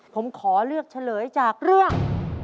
ผมขอเลือกเฉลยจากเรื่อง